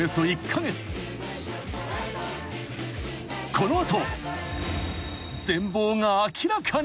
［この後全貌が明らかに］